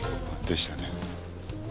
でしたね。